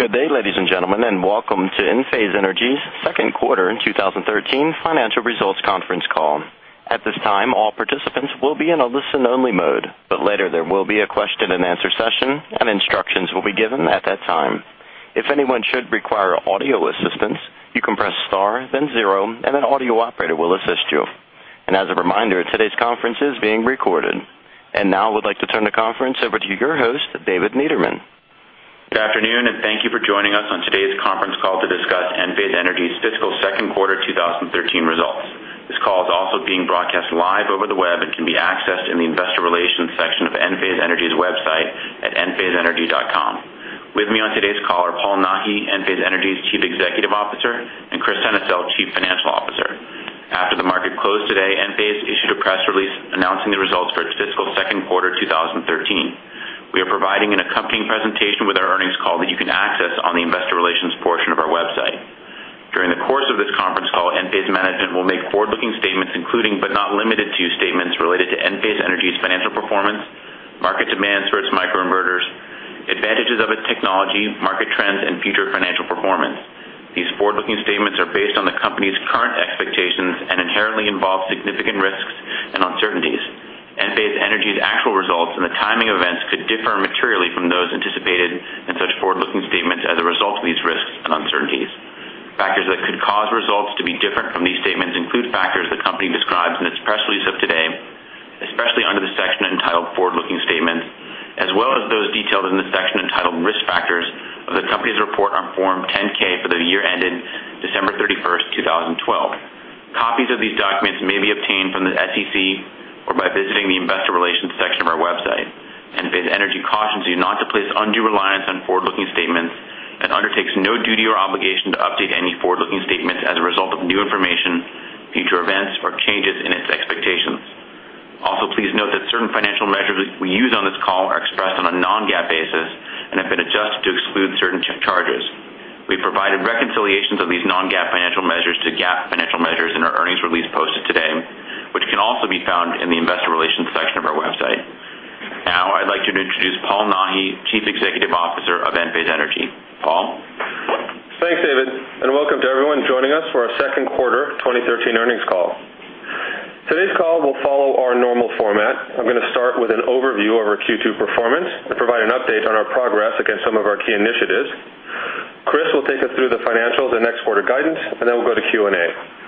Good day, ladies and gentlemen, and welcome to Enphase Energy's second quarter 2013 financial results conference call. At this time, all participants will be in a listen-only mode, but later there will be a question-and-answer session, and instructions will be given at that time. If anyone should require audio assistance, you can press star, then zero, and an audio operator will assist you. As a reminder, today's conference is being recorded. Now, I would like to turn the conference over to your host, David Niederman. Good afternoon, and thank you for joining us on today's conference call to discuss Enphase Energy's fiscal second quarter 2013 results. This call is also being broadcast live over the web and can be accessed in the investor relations section of Enphase Energy's website at enphase.com. With me on today's call are Paul Nahi, Enphase Energy's Chief Executive Officer, and Kris Sennesael, Chief Financial Officer. After the market closed today, Enphase issued a press release announcing the results for its fiscal second quarter 2013. We are providing an accompanying presentation with our earnings call that you can access on the investor relations portion of our website. During the course of this conference call, Enphase management will make forward-looking statements including, but not limited to, statements related to Enphase Energy's financial performance, market demands for its microinverters, advantages of its technology, market trends, and future financial performance. These forward-looking statements are based on the company's current expectations and inherently involve significant risks and uncertainties. Enphase Energy's actual results and the timing of events could differ materially from those anticipated in such forward-looking statements as a result of these risks and uncertainties. Factors that could cause results to be different from these statements include factors the company describes in its press release of today, especially under the section entitled Forward-Looking Statements, as well as those detailed in the section entitled Risk Factors of the company's report on Form 10-K for the year ended December 31st, 2012. Copies of these documents may be obtained from the SEC or by visiting the investor relations section of our website. Enphase Energy cautions you not to place undue reliance on forward-looking statements and undertakes no duty or obligation to update any forward-looking statements as a result of new information, future events, or changes in its expectations. Also, please note that certain financial measures we use on this call are expressed on a non-GAAP basis and have been adjusted to exclude certain charges. We've provided reconciliations of these non-GAAP financial measures to GAAP financial measures in our earnings release posted today, which can also be found in the investor relations section of our website. Now, I'd like to introduce Paul Nahi, Chief Executive Officer of Enphase Energy. Paul? Thanks, David, and welcome to everyone joining us for our second quarter 2013 earnings call. Today's call will follow our normal format. I'm going to start with an overview of our Q2 performance and provide an update on our progress against some of our key initiatives. Kris will take us through the financials and next quarter guidance, and then we'll go to Q&A.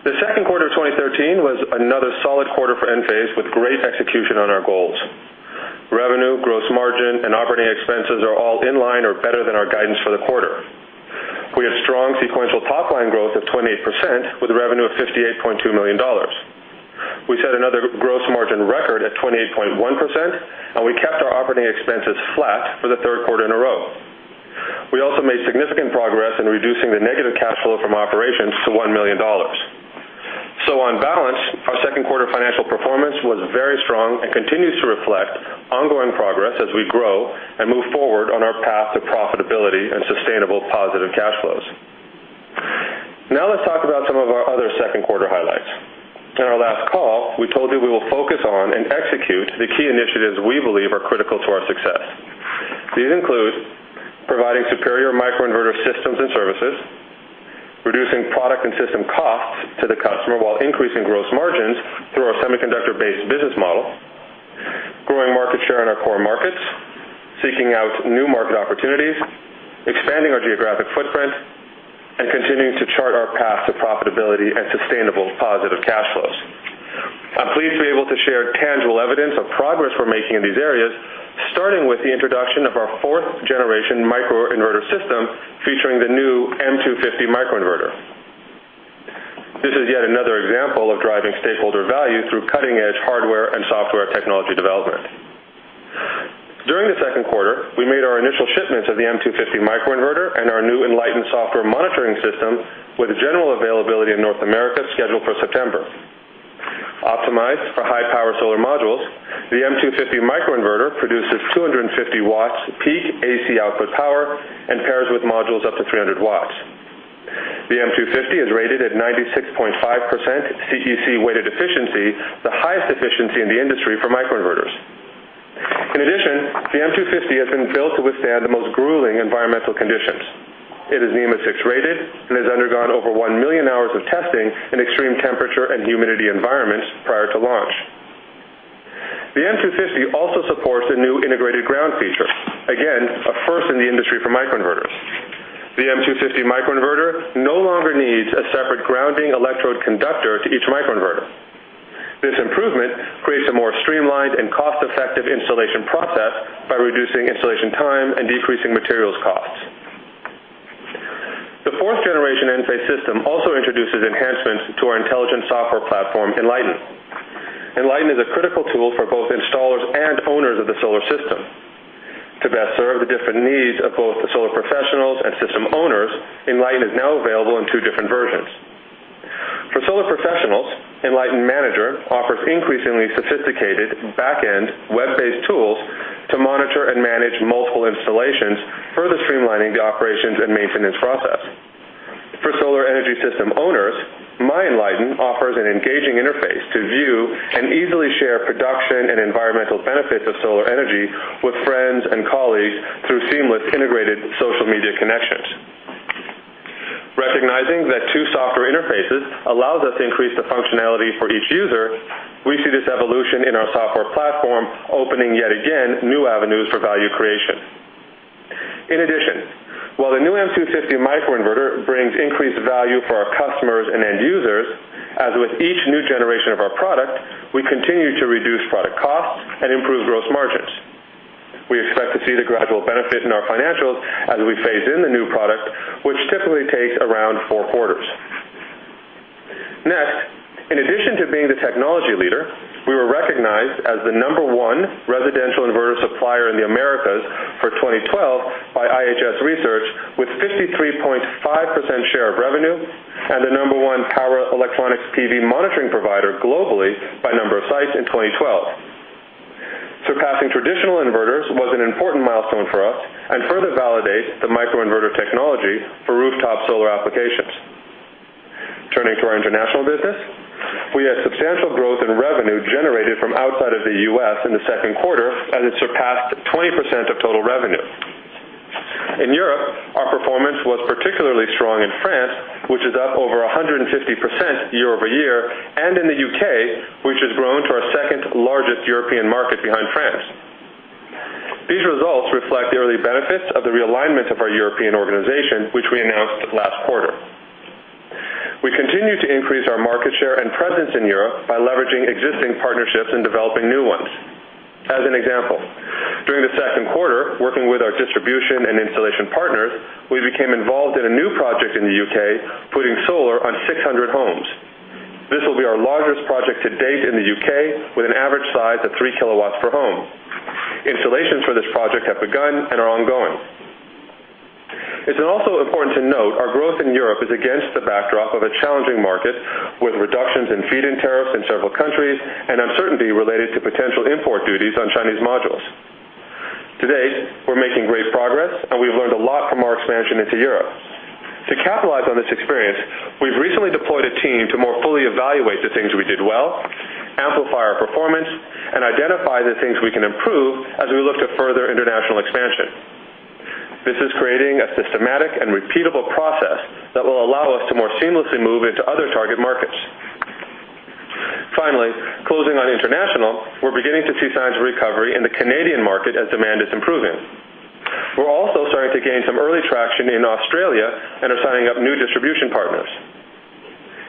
The second quarter of 2013 was another solid quarter for Enphase with great execution on our goals. Revenue, gross margin, and operating expenses are all in line or better than our guidance for the quarter. We had strong sequential top-line growth of 28% with revenue of $58.2 million. We set another gross margin record at 28.1%, and we kept our operating expenses flat for the third quarter in a row. We also made significant progress in reducing the negative cash flow from operations to $1 million. On balance, our second quarter financial performance was very strong and continues to reflect ongoing progress as we grow and move forward on our path to profitability and sustainable positive cash flows. Now let's talk about some of our other second quarter highlights. In our last call, we told you we will focus on and execute the key initiatives we believe are critical to our success. These include providing superior microinverter systems and services, reducing product and system costs to the customer while increasing gross margins through our semiconductor-based business model, growing market share in our core markets, seeking out new market opportunities, expanding our geographic footprint, and continuing to chart our path to profitability and sustainable positive cash flows. I'm pleased to be able to share tangible evidence of progress we're making in these areas, starting with the introduction of our fourth generation microinverter system featuring the new M250 microinverter. This is yet another example of driving stakeholder value through cutting-edge hardware and software technology development. During the second quarter, we made our initial shipments of the M250 microinverter and our new Enlighten software monitoring system with a general availability in North America scheduled for September. Optimized for high-power solar modules, the M250 microinverter produces 250 watts peak AC output power and pairs with modules up to 300 watts. The M250 is rated at 96.5% CEC weighted efficiency, the highest efficiency in the industry for microinverters. In addition, the M250 has been built to withstand the most grueling environmental conditions. It is NEMA 6 rated and has undergone over 1 million hours of testing in extreme temperature and humidity environments prior to launch. The M250 also supports a new integrated ground feature, again, a first in the industry for microinverters. The M250 microinverter no longer needs a separate grounding electrode conductor to each microinverter. This improvement creates a more streamlined and cost-effective installation process by reducing installation time and decreasing materials costs. The fourth generation Enphase system also introduces enhancements to our intelligent software platform, Enlighten. Enlighten is a critical tool for both installers and owners of the solar system. To best serve the different needs of both the solar professionals and system owners, Enlighten is now available in two different versions. For solar professionals, Enlighten Manager offers increasingly sophisticated back-end, web-based tools to monitor and manage multiple installations, further streamlining the operations and maintenance process. Energy system owners, MyEnlighten offers an engaging interface to view and easily share production and environmental benefits of solar energy with friends and colleagues through seamless integrated social media connections. Recognizing that two software interfaces allows us to increase the functionality for each user, we see this evolution in our software platform opening, yet again, new avenues for value creation. In addition, while the new M250 microinverter brings increased value for our customers and end users, as with each new generation of our product, we continue to reduce product costs and improve gross margins. We expect to see the gradual benefit in our financials as we phase in the new product, which typically takes around four quarters. In addition to being the technology leader, we were recognized as the number one residential inverter supplier in the Americas for 2012 by IHS Markit, with 53.5% share of revenue and the number one power electronics PV monitoring provider globally by number of sites in 2012. Surpassing traditional inverters was an important milestone for us and further validates the microinverter technology for rooftop solar applications. Turning to our international business, we had substantial growth in revenue generated from outside of the U.S. in the second quarter, as it surpassed 20% of total revenue. In Europe, our performance was particularly strong in France, which is up over 150% year-over-year, and in the U.K., which has grown to our second-largest European market behind France. These results reflect the early benefits of the realignment of our European organization, which we announced last quarter. We continue to increase our market share and presence in Europe by leveraging existing partnerships and developing new ones. As an example, during the second quarter, working with our distribution and installation partners, we became involved in a new project in the U.K., putting solar on 600 homes. This will be our largest project to date in the U.K., with an average size of three kilowatts per home. Installations for this project have begun and are ongoing. It's also important to note our growth in Europe is against the backdrop of a challenging market with reductions in feed-in tariffs in several countries and uncertainty related to potential import duties on Chinese modules. To date, we're making great progress, and we've learned a lot from our expansion into Europe. To capitalize on this experience, we've recently deployed a team to more fully evaluate the things we did well, amplify our performance, and identify the things we can improve as we look to further international expansion. This is creating a systematic and repeatable process that will allow us to more seamlessly move into other target markets. Closing on international, we're beginning to see signs of recovery in the Canadian market as demand is improving. We're also starting to gain some early traction in Australia and are signing up new distribution partners.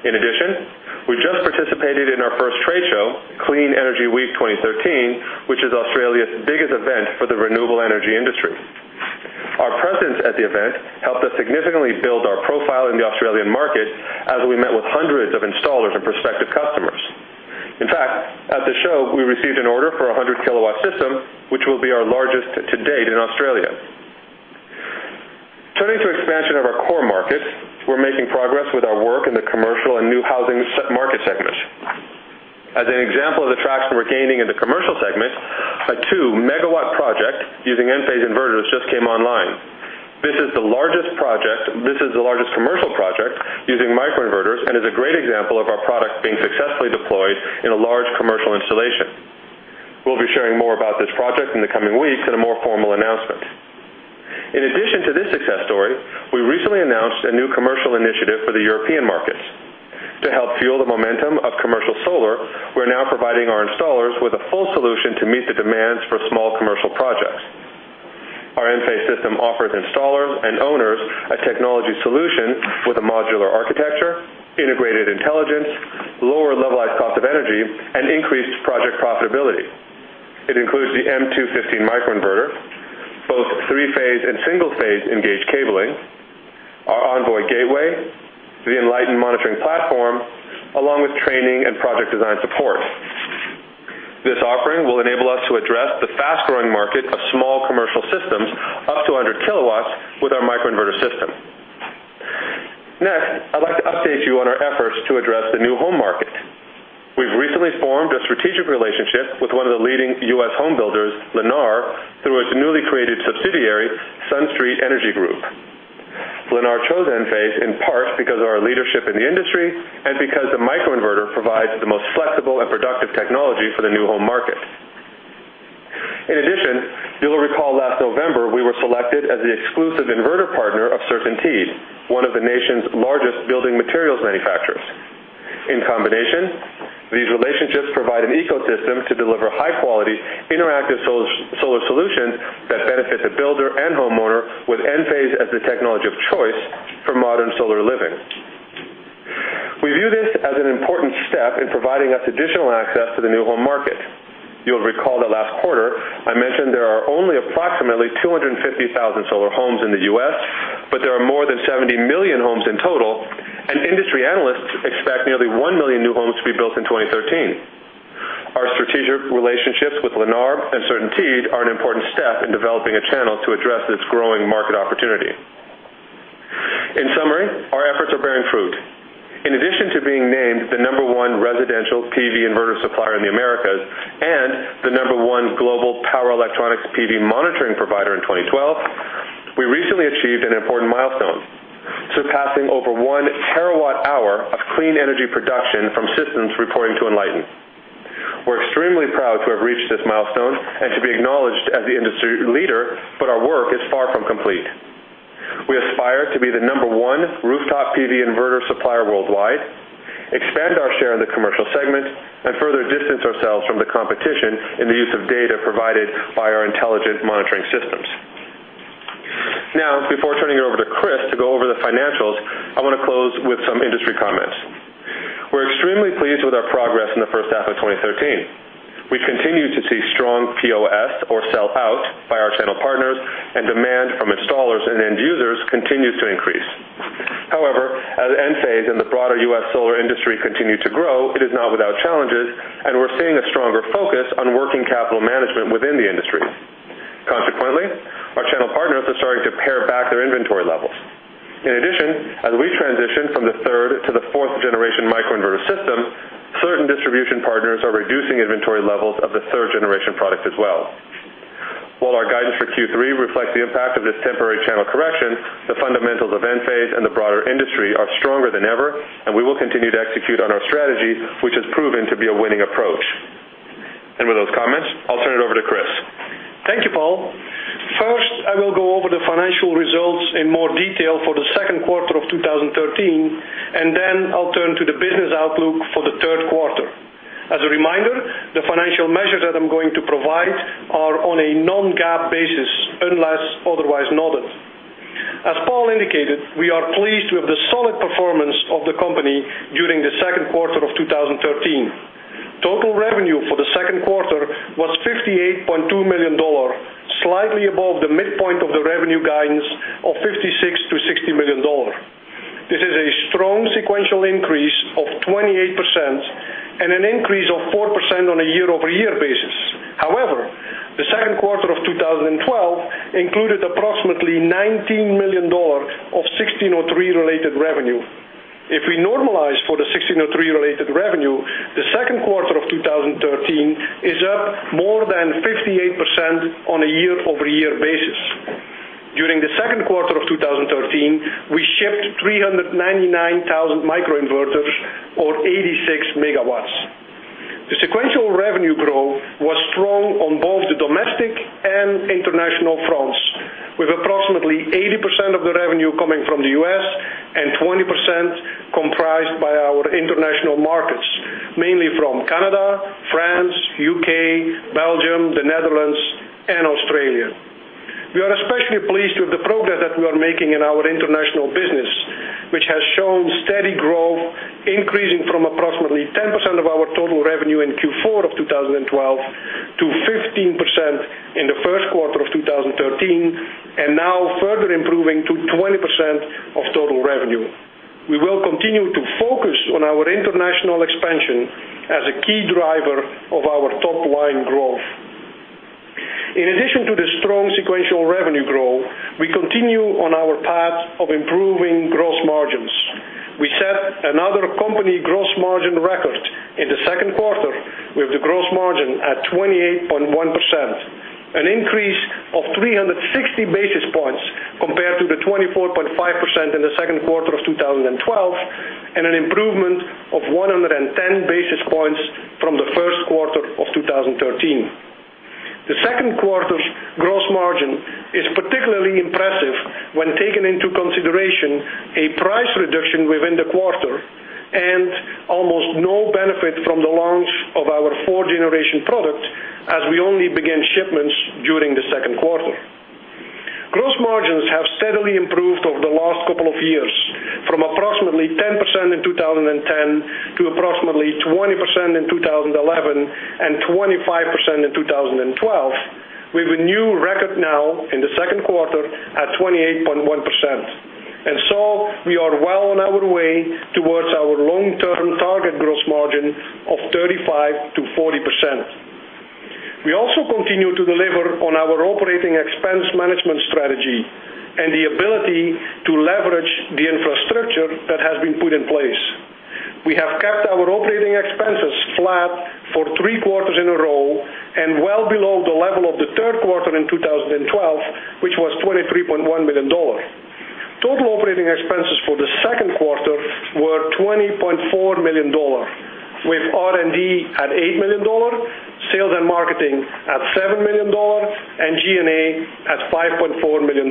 In addition, we just participated in our first trade show, Clean Energy Week 2013, which is Australia's biggest event for the renewable energy industry. Our presence at the event helped us significantly build our profile in the Australian market as we met with hundreds of installers and prospective customers. In fact, at the show, we received an order for a 100-kilowatt system, which will be our largest to date in Australia. Turning to expansion of our core markets, we're making progress with our work in the commercial and new housing market segments. As an example of the traction we're gaining in the commercial segment, a 2-megawatt project using Enphase inverters just came online. This is the largest commercial project using microinverters and is a great example of our product being successfully deployed in a large commercial installation. We'll be sharing more about this project in the coming weeks in a more formal announcement. In addition to this success story, we recently announced a new commercial initiative for the European markets. To help fuel the momentum of commercial solar, we're now providing our installers with a full solution to meet the demands for small commercial projects. Our Enphase system offers installers and owners a technology solution with a modular architecture, integrated intelligence, lower levelized cost of energy, and increased project profitability. It includes the M250 microinverter, both three-phase and single-phase engaged cabling, our Envoy gateway, the Enlighten monitoring platform, along with training and project design support. This offering will enable us to address the fast-growing market of small commercial systems up to 100 kilowatts with our microinverter system. Next, I'd like to update you on our efforts to address the new home market. We've recently formed a strategic relationship with one of the leading U.S. home builders, Lennar, through its newly created subsidiary, SunStreet Energy Group. Lennar chose Enphase in part because of our leadership in the industry and because the microinverter provides the most flexible and productive technology for the new home market. In addition, you'll recall last November, we were selected as the exclusive inverter partner of CertainTeed, one of the nation's largest building materials manufacturers. In combination, these relationships provide an ecosystem to deliver high-quality interactive solar solutions that benefit the builder and homeowner with Enphase as the technology of choice for modern solar living. We view this as an important step in providing us additional access to the new home market. You'll recall that last quarter I mentioned there are only approximately 250,000 solar homes in the U.S., but there are more than 70 million homes in total, and industry analysts expect nearly 1 million new homes to be built in 2013. Our strategic relationships with Lennar and CertainTeed are an important step in developing a channel to address this growing market opportunity. In summary, our efforts are bearing fruit. In addition to being named the number one residential PV inverter supplier in the Americas and the number one global power electronics PV monitoring provider in 2012, we recently achieved an important milestone, surpassing over 1 terawatt-hour of clean energy production from systems reporting to Enlighten. We're extremely proud to have reached this milestone and to be acknowledged as the industry leader, but our work is far from complete. We aspire to be the number one rooftop PV inverter supplier worldwide, expand our share in the commercial segment, and further distance ourselves from the competition in the use of data provided by our intelligent monitoring systems. Now, before turning it over to Kris to go over the financials, I want to close with some industry comments. We're extremely pleased with our progress in the first half of 2013. We continue to see strong POS or sell-out by our channel partners, and demand from installers and end users continues to increase. However, as Enphase and the broader U.S. solar industry continue to grow, it is not without challenges, and we're seeing a stronger focus on working capital management within the industry. Consequently, our channel partners are starting to pare back their inventory levels. In addition, as we transition from the 3rd-generation to the 4th-generation microinverter system, certain distribution partners are reducing inventory levels of the 3rd-generation product as well. While our guidance for Q3 reflects the impact of this temporary channel correction, the fundamentals of Enphase and the broader industry are stronger than ever, and we will continue to execute on our strategy, which has proven to be a winning approach. With those comments, I'll turn it over to Kris. Thank you, Paul. First, I will go over the financial results in more detail for the second quarter of 2013, then I'll turn to the business outlook for the third quarter. As a reminder, the financial measures that I'm going to provide are on a non-GAAP basis, unless otherwise noted. As Paul indicated, we are pleased with the solid performance of the company during the second quarter of 2013. Total revenue for the second quarter was $58.2 million, slightly above the midpoint of the revenue guidance of $56 million-$60 million. This is a strong sequential increase of 28% and an increase of 4% on a year-over-year basis. However, the second quarter of 2012 included approximately $19 million of 1603 related revenue. If we normalize for the 1603 related revenue, the second quarter of 2013 is up more than 58% on a year-over-year basis. During the second quarter of 2013, we shipped 399,000 microinverters or 86 megawatts. The sequential revenue growth was strong on both the domestic and international fronts, with approximately 80% of the revenue coming from the U.S. and 20% comprised by our international markets, mainly from Canada, France, U.K., Belgium, the Netherlands, and Australia. We are especially pleased with the progress that we are making in our international business, which has shown steady growth, increasing from approximately 10% of our total revenue in Q4 of 2012 to 15% in the first quarter of 2013, and now further improving to 20% of total revenue. We will continue to focus on our international expansion as a key driver of our top-line growth. In addition to the strong sequential revenue growth, we continue on our path of improving gross margins. We set another company gross margin record in the second quarter with the gross margin at 28.1%, an increase of 360 basis points compared to the 24.5% in the second quarter of 2012, and an improvement of 110 basis points from the first quarter of 2013. The second quarter's gross margin is particularly impressive when taking into consideration a price reduction within the quarter and almost no benefit from the launch of our 4th-generation product, as we only began shipments during the second quarter. Gross margins have steadily improved over the last couple of years from approximately 10% in 2010 to approximately 20% in 2011 and 25% in 2012, with a new record now in the second quarter at 28.1%. We are well on our way towards our long-term target gross margin of 35%-40%. We also continue to deliver on our operating expense management strategy and the ability to leverage the infrastructure that has been put in place. We have kept our operating expenses flat for three quarters in a row and well below the level of the third quarter in 2012, which was $23.1 million. Total operating expenses for the second quarter were $20.4 million, with R&D at $8 million, sales and marketing at $7 million, and G&A at $5.4 million.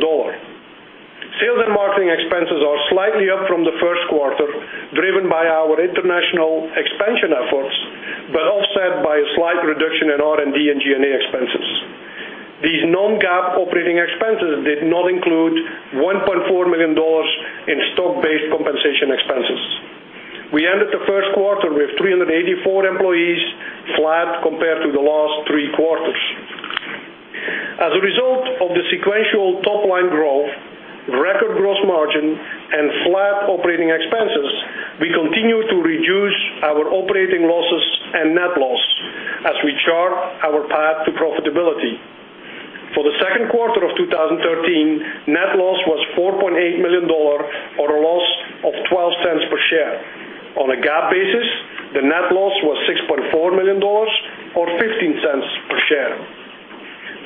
Sales and marketing expenses are slightly up from the first quarter, driven by our international expansion efforts, but offset by a slight reduction in R&D and G&A expenses. These non-GAAP operating expenses did not include $1.4 million in stock-based compensation expenses. We ended the first quarter with 384 employees, flat compared to the last three quarters. As a result of the sequential top-line growth, record gross margin, and flat operating expenses, Second quarter of 2013, net loss was $4.8 million, or a loss of $0.12 per share. On a GAAP basis, the net loss was $6.4 million, or $0.15 per share.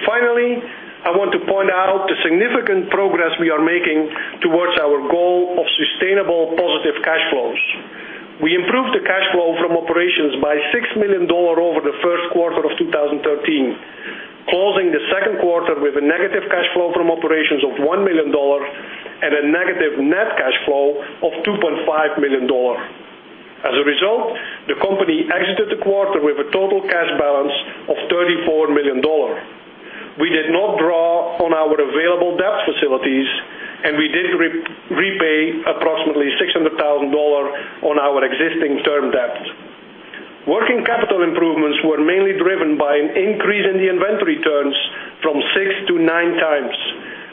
Finally, I want to point out the significant progress we are making towards our goal of sustainable positive cash flows. We improved the cash flow from operations by $6 million over the first quarter of 2013, closing the second quarter with a negative cash flow from operations of $1 million and a negative net cash flow of $2.5 million. As a result, the company exited the quarter with a total cash balance of $34 million. We did not draw on our available debt facilities, and we did repay approximately $600,000 on our existing term debt. Working capital improvements were mainly driven by an increase in the inventory turns from six to nine times,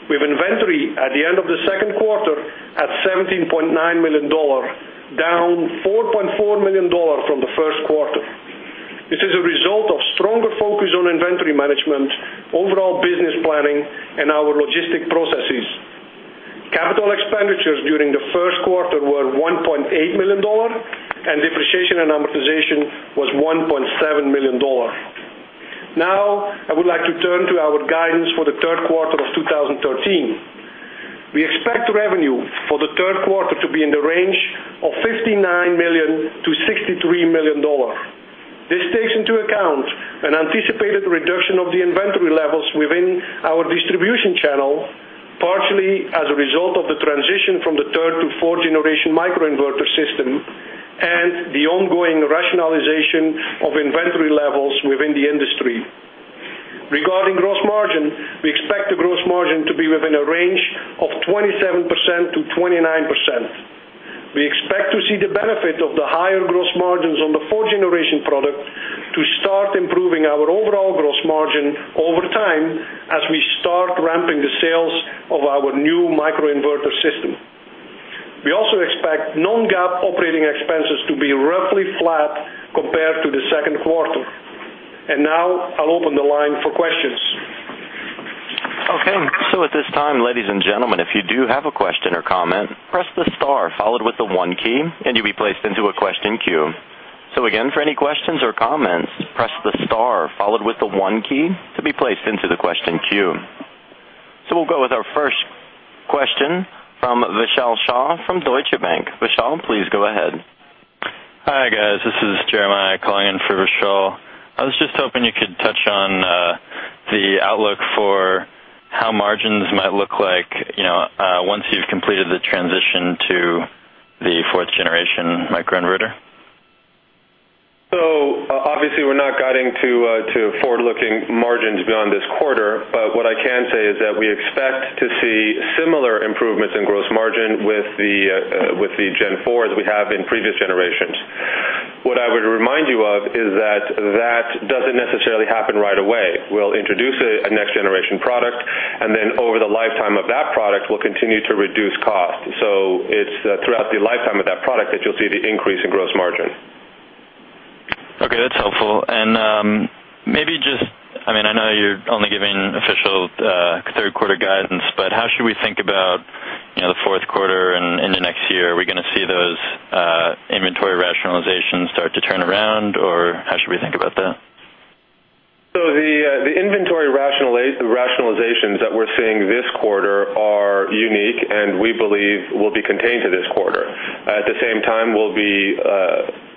with inventory at the end of the second quarter at $17.9 million, down $4.4 million from the first quarter. This is a result of stronger focus on inventory management, overall business planning, and our logistic processes. Capital expenditures during the first quarter were $1.8 million, and depreciation and amortization was $1.7 million. Now, I would like to turn to our guidance for the third quarter of 2013. We expect revenue for the third quarter to be in the range of $59 million-$63 million. This takes into account an anticipated reduction of the inventory levels within our distribution channel, partially as a result of the transition from the third to fourth-generation microinverter system and the ongoing rationalization of inventory levels within the industry. Regarding gross margin, we expect the gross margin to be within a range of 27%-29%. We expect to see the benefit of the higher gross margins on the fourth-generation product to start improving our overall gross margin over time as we start ramping the sales of our new microinverter system. We also expect non-GAAP operating expenses to be roughly flat compared to the second quarter. Now, I'll open the line for questions. Okay. At this time, ladies and gentlemen, if you do have a question or comment, press the star followed with the one key, and you'll be placed into a question queue. Again, for any questions or comments, press the star followed with the one key to be placed into the question queue. We'll go with our first question from Vishal Shah from Deutsche Bank. Vishal, please go ahead. Hi, guys. This is Jeremiah calling in for Vishal. I was just hoping you could touch on the outlook for how margins might look like once you've completed the transition to the fourth-generation microinverter. Obviously, we're not guiding to forward-looking margins beyond this quarter. What I can say is that we expect to see similar improvements in gross margin with the Gen 4 as we have in previous generations. I would remind you of is that that doesn't necessarily happen right away. We'll introduce a next-generation product, and then over the lifetime of that product, we'll continue to reduce cost. It's throughout the lifetime of that product that you'll see the increase in gross margin. Okay. That's helpful. I know you're only giving official third-quarter guidance, but how should we think about the fourth quarter and into next year? Are we going to see those inventory rationalizations start to turn around, or how should we think about that? The inventory rationalizations that we're seeing this quarter are unique and we believe will be contained to this quarter. At the same time, we'll be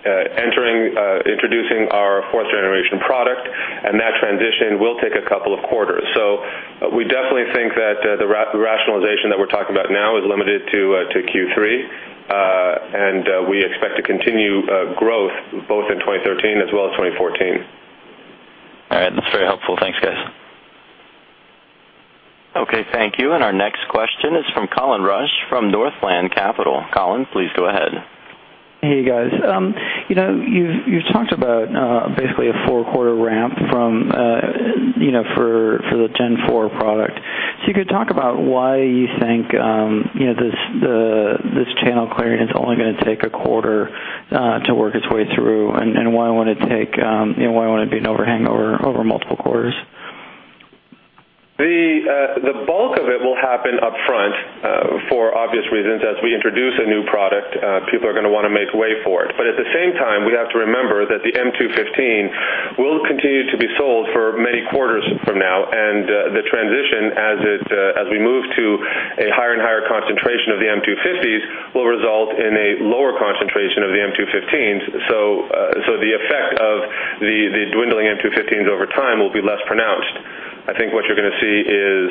introducing our fourth-generation product, and that transition will take a couple of quarters. We definitely think that the rationalization that we're talking about now is limited to Q3. We expect to continue growth both in 2013 as well as 2014. All right. That's very helpful. Thanks, guys. Okay. Thank you. Our next question is from Colin Rusch from Northland Capital. Colin, please go ahead. Hey, guys. You've talked about basically a four-quarter ramp for the Gen 4 product. You could talk about why you think this channel clearing is only going to take a quarter to work its way through, and why it wouldn't be an overhang over multiple quarters? The bulk of it will happen upfront. For obvious reasons, as we introduce a new product, people are going to want to make way for it. At the same time, we have to remember that the M215 will continue to be sold for many quarters from now, and the transition as we move to a higher and higher concentration of the M250s will result in a lower concentration of the M215s. The effect of the dwindling M215s over time will be less pronounced. I think what you're going to see is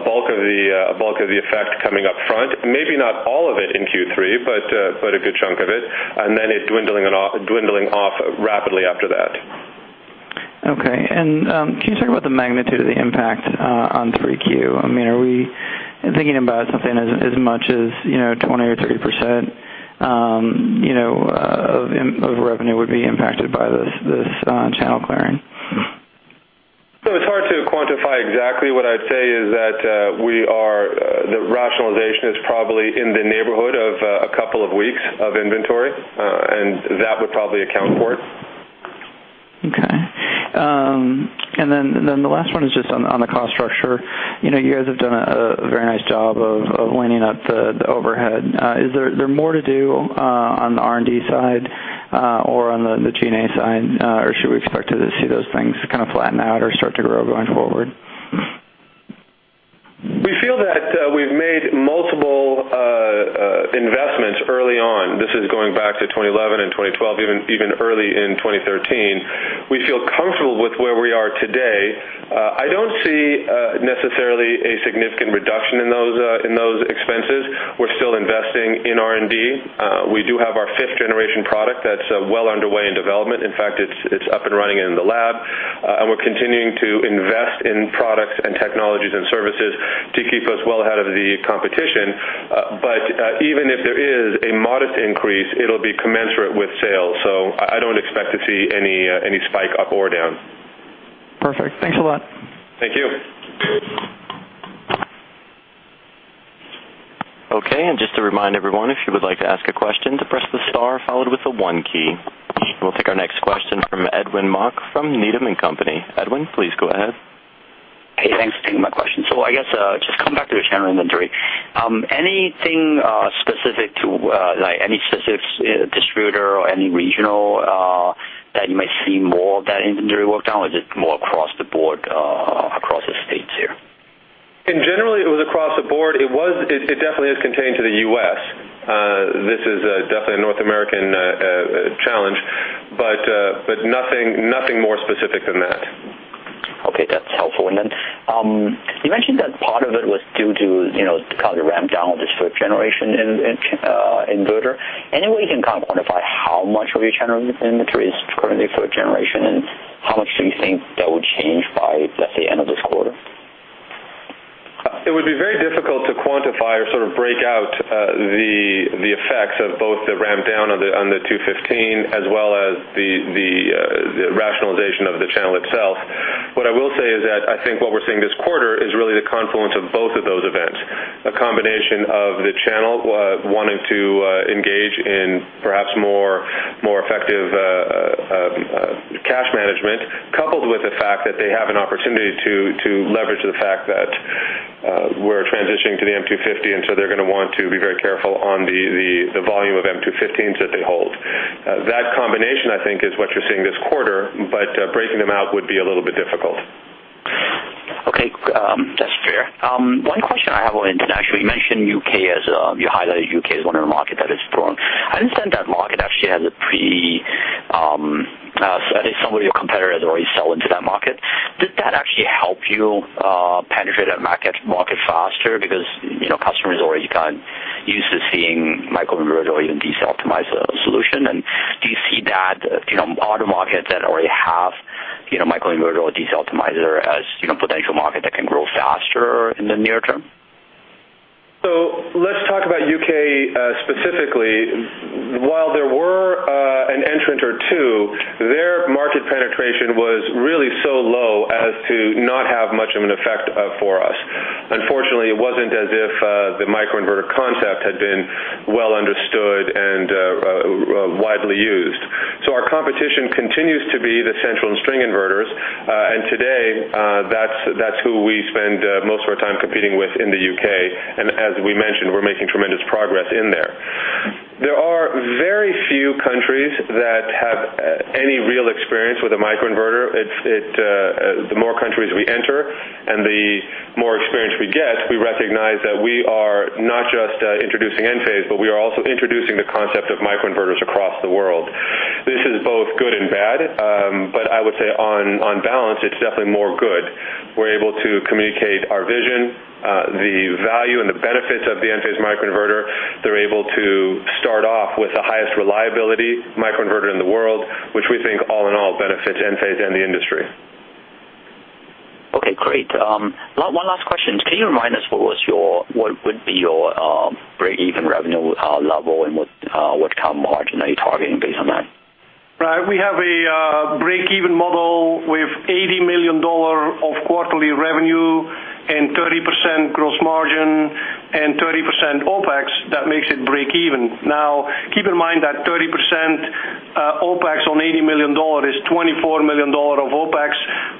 a bulk of the effect coming upfront, maybe not all of it in Q3, but a good chunk of it, and then it dwindling off rapidly after that. Okay. Can you talk about the magnitude of the impact on 3Q? Are we thinking about something as much as 20% or 30% of revenue would be impacted by this channel clearing? It's hard to quantify exactly. What I'd say is that the rationalization is probably in the neighborhood of a couple of weeks. Okay. Then the last one is just on the cost structure. You guys have done a very nice job of leaning up the overhead. Is there more to do on the R&D side or on the G&A side, or should we expect to see those things kind of flatten out or start to grow going forward? We feel that we've made multiple investments early on. This is going back to 2011 and 2012, even early in 2013. We feel comfortable with where we are today. I don't see necessarily a significant reduction in those expenses. We're still investing in R&D. We do have our 5th-generation product that's well underway in development. In fact, it's up and running in the lab. We're continuing to invest in products and technologies and services to keep us well ahead of the competition. Even if there is a modest increase, it'll be commensurate with sales. I don't expect to see any spike up or down. Perfect. Thanks a lot. Thank you. Just to remind everyone, if you would like to ask a question, to press the star followed with the one key. We'll take our next question from Edwin Mok from Needham & Company. Edwin, please go ahead. Hey, thanks for taking my question. I guess, just coming back to the channel inventory. Anything specific to, like, any specific distributor or any regional that you might see more of that inventory work down, or is it more across the board, across the States here? In general, it was across the board. It definitely is contained to the U.S. This is definitely a North American challenge, nothing more specific than that. Okay. That's helpful. You mentioned that part of it was due to kind of ramp down this fifth-generation inverter. Any way you can kind of quantify how much of your channel inventory is currently fifth-generation, and how much do you think that would change by, let's say, end of this quarter? It would be very difficult to quantify or sort of break out the effects of both the ramp down on the 215 as well as the rationalization of the channel itself. What I will say is that I think what we're seeing this quarter is really the confluence of both of those events. A combination of the channel wanting to engage in perhaps more effective cash management, coupled with the fact that they have an opportunity to leverage the fact that we're transitioning to the M250, they're going to want to be very careful on the volume of M215s that they hold. That combination, I think, is what you're seeing this quarter, breaking them out would be a little bit difficult. Okay. That's fair. One question I have on international. You mentioned U.K. as you highlighted U.K. as one of the markets that is strong. I understand that market actually has a pretty I think some of your competitors already sell into that market. Did that actually help you penetrate that market faster because customers are already kind of used to seeing microinverter or even DC optimizer solution? Do you see that other markets that already have microinverter or DC optimizer as potential markets that can grow faster in the near term? Let's talk about U.K. specifically. While there were an entrant or two, their market penetration was really so low as to not have much of an effect for us. Unfortunately, it wasn't as if the microinverter concept had been well understood and widely used. Our competition continues to be the central and string inverters. Today, that's who we spend most of our time competing with in the U.K. As we mentioned, we're making tremendous progress in there. There are very few countries that have any real experience with a microinverter. The more countries we enter and the more experience we get, we recognize that we are not just introducing Enphase, but we are also introducing the concept of microinverters across the world. This is both good and bad, but I would say on balance, it's definitely more good. We're able to communicate our vision, the value, and the benefits of the Enphase microinverter. They're able to start off with the highest reliability microinverter in the world, which we think all in all benefits Enphase and the industry. Okay, great. One last question. Can you remind us what would be your break-even revenue, what level and what kind of margin are you targeting based on that? We have a break-even model with $80 million of quarterly revenue and 30% gross margin and 30% OPEX that makes it break even. Keep in mind that 30% OPEX on $80 million is $24 million of OPEX.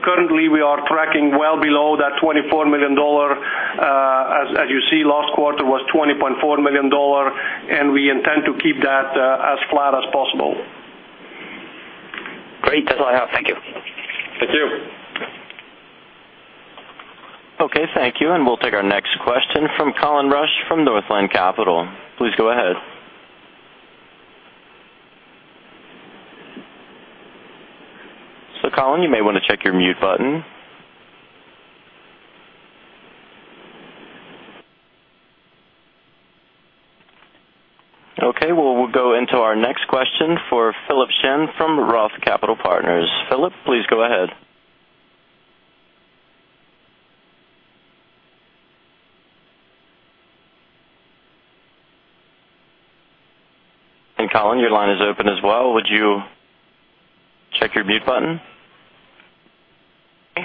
Currently, we are tracking well below that $24 million. Last quarter was $20.4 million, we intend to keep that as flat as possible. Great. That's all I have. Thank you. Thank you. Thank you. We'll take our next question from Colin Rusch from Northland Capital. Please go ahead. Colin, you may want to check your mute button. We'll go into our next question for Philip Shen from Roth Capital Partners. Philip, please go ahead. Colin, your line is open as well. Would you check your mute button? Hey,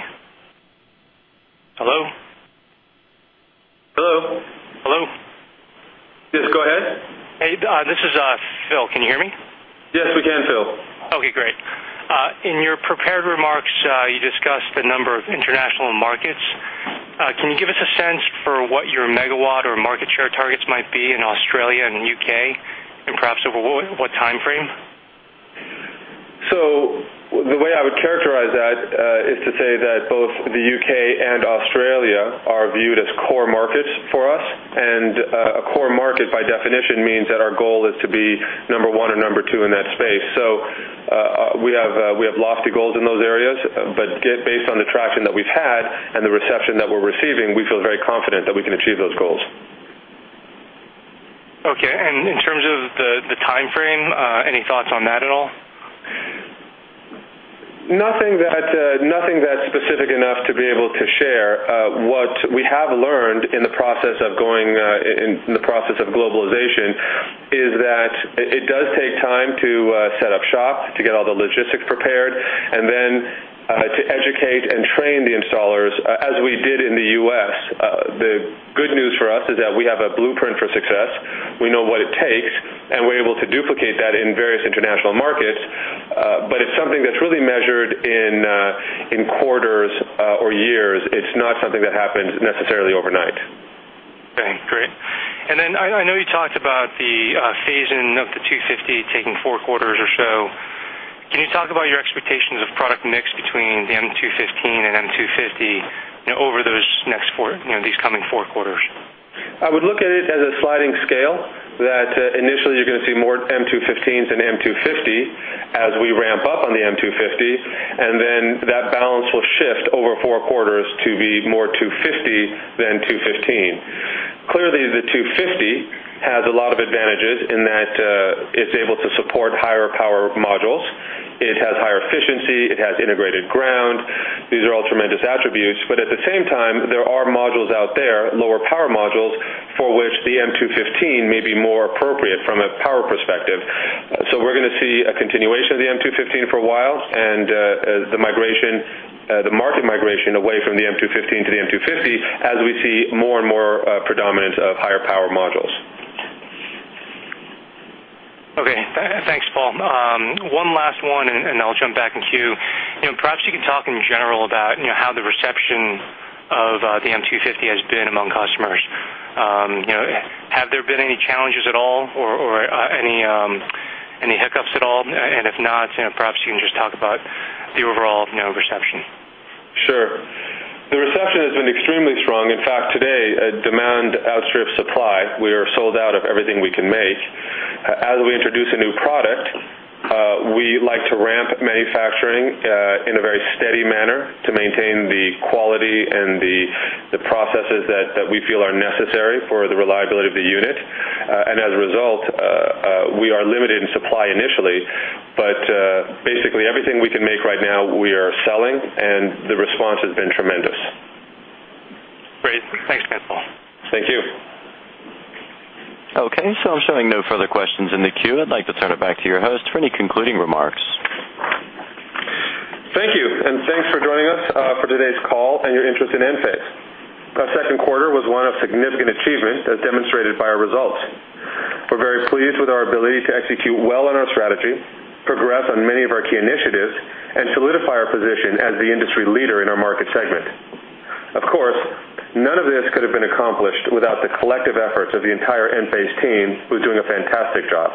this is Phil. Can you hear me? Yes, we can, Phil. Okay, great. In your prepared remarks, you discussed the number of international markets. Can you give us a sense for what your megawatt or market share targets might be in Australia and the U.K., and perhaps over what time frame? The way I would characterize that is to say that both the U.K. and Australia are viewed as core markets for us, and a core market by definition means that our goal is to be number one or number two in that space. We have lofty goals in those areas, but based on the traction that we've had and the reception that we're receiving, we feel very confident that we can achieve those goals. Okay. In terms of the time frame, any thoughts on that at all? Nothing that's specific enough to be able to share. What we have learned in the process of globalization is that it does take time to set up shop, to get all the logistics prepared, and then to educate and train the installers as we did in the U.S. The good news for us is that we have a blueprint for success. We know what it takes, and we're able to duplicate that in various international markets, it's something that's really measured in quarters or years. It's not something that happens necessarily overnight. Okay, great. I know you talked about the phase-in of the 250 taking 4 quarters or so. Can you talk about your expectations of product mix between the M215 and M250 over these coming 4 quarters? I would look at it as a sliding scale, that initially you're going to see more M215s than M250 as we ramp up on the M250, that balance will shift over 4 quarters to be more 250 than 215. Clearly, the 250 has a lot of advantages in that it's able to support higher power modules. It has higher efficiency, it has integrated ground. These are all tremendous attributes. At the same time, there are modules out there, lower power modules, for which the M215 may be more appropriate from a power perspective. We're going to see a continuation of the M215 for a while and the market migration away from the M215 to the M250 as we see more and more predominance of higher power modules. Okay. Thanks, Paul. One last one, I'll jump back in queue. Perhaps you can talk in general about how the reception of the M250 has been among customers. Have there been any challenges at all or any hiccups at all? If not, perhaps you can just talk about the overall reception. Sure. The reception has been extremely strong. In fact, today, demand outstrips supply. We are sold out of everything we can make. As we introduce a new product, we like to ramp manufacturing in a very steady manner to maintain the quality and the processes that we feel are necessary for the reliability of the unit. As a result, we are limited in supply initially. Basically, everything we can make right now we are selling, and the response has been tremendous. Great. Thanks again, Paul. Thank you. Okay, I'm showing no further questions in the queue. I'd like to turn it back to your host for any concluding remarks. Thank you, thanks for joining us for today's call and your interest in Enphase. Our second quarter was one of significant achievement as demonstrated by our results. We're very pleased with our ability to execute well on our strategy, progress on many of our key initiatives, and solidify our position as the industry leader in our market segment. Of course, none of this could have been accomplished without the collective efforts of the entire Enphase team, who are doing a fantastic job.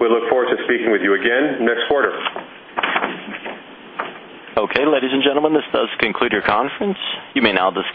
We look forward to speaking with you again next quarter. Okay, ladies and gentlemen, this does conclude our conference. You may now disconnect.